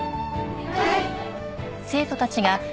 はい。